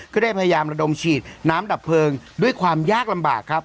ก็ได้พยายามระดมฉีดน้ำดับเพลิงด้วยความยากลำบากครับ